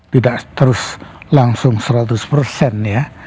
tidak terus langsung seratus persen ya